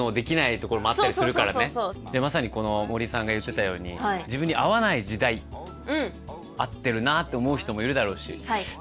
まさにこの森さんが言ってたように自分に合わない時代合ってるなって思う人もいるだろうし自分に合わねえな